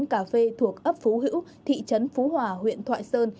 một quán cà phê thuộc ấp phú hữu thị trấn phú hòa huyện thoại sơn